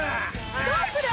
どうする？